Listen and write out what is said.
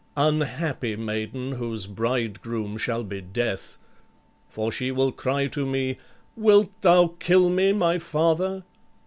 Unhappy maiden whose bridegroom shall be death! For she will cry to me, 'Wilt thou kill me, my father?'